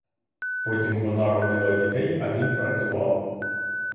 Потім вона родила дітей, а він працював.